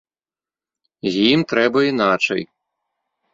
З ім трэба іначай.